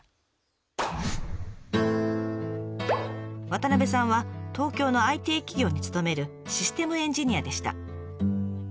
渡部さんは東京のＩＴ企業に勤めるシステムエンジニアでした。